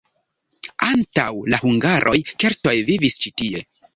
Antaŭ la hungaroj keltoj vivis ĉi tie.